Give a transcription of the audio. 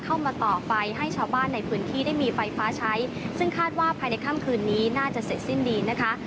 เข้ามาต่อไฟให้ชาวบ้านในพื้นที่ได้มีไฟฟ้าใช้ซึ่งคาดว่าภายในค่ำคืนนี้น่าจะเสร็จสิ้นดีนะคะ